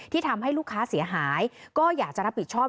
ทำให้ลูกค้าเสียหายก็อยากจะรับผิดชอบ